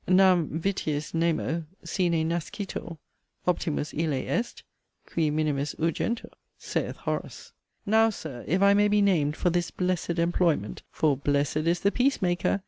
'Nam vitiis nemo sine nascitur: optimus ille est, Qui minimis urgentur' saith Horace). Now, Sir, if I may be named for this 'blessed' employment, (for, 'Blessed is the peace maker!')